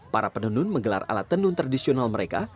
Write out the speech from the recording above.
para penenun menggelar alat tenun tradisional mereka